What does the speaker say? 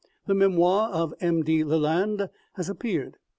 The memoir of M. de Lalande has ap peared.